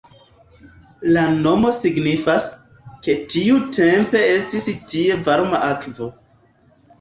La nomo signifas, ke tiutempe estis tie varma akvo.